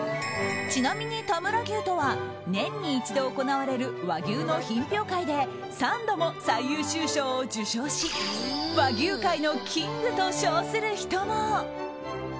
ちなみに田村牛とは年に一度行われる和牛の品評会で３度も最優秀賞を受賞し和牛界のキングと称する人も。